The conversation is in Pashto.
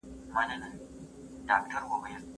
هلته ځانګړي نهادونه د ټولنې د اوږدمهاله ثبات لپاره مهم دي.